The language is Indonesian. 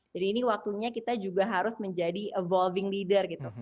jadi ini waktunya kita juga harus menjadi evolving leader gitu